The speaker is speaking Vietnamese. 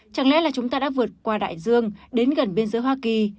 chẳng lẽ là chúng ta đã vượt qua đại dương đến gần biên giới hoa kỳ